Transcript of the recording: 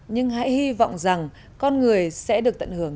nhưng hãy hy vọng rằng con người sẽ được tận hưởng